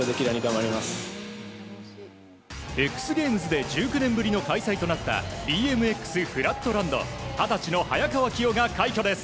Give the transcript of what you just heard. ＸＧａｍｅｓで１９年ぶりの開催となったＢＭＸ・フラットランド二十歳の早川起生が快挙です。